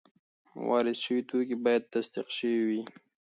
وارد شوي توکي باید تصدیق شوي وي.